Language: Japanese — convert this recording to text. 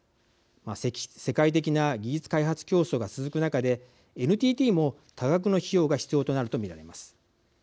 世界的な技術開発競争が続く中でＮＴＴも多額の費用が必要となると見られます。